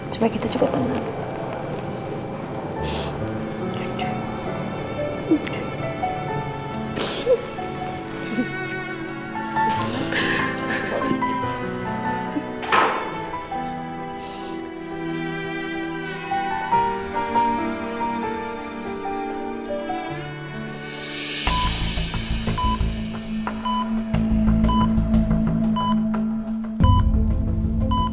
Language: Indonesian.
supaya kita juga tenang